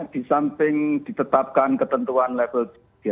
disamping ditetapkan ketentuan level tiga